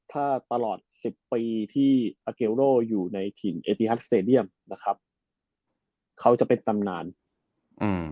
ถ้าตลอดสิบปีที่อยู่ในถิ่นนะครับเขาจะเป็นตำนานอืม